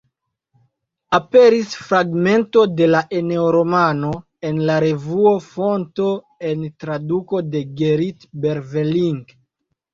Aperis fragmento de la "Eneo-romano" en la revuo Fonto en traduko de Gerrit Berveling.